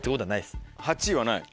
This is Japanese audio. ８位はない？